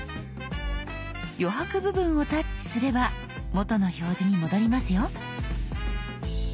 余白部分をタッチすれば元の表示に戻りますよ。